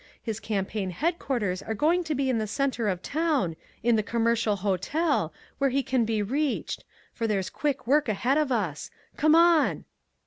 His campaign headquarters are going to be in the center of town, at the Commercial Hotel, where he can be reached for there's quick work ahead of us. Come on."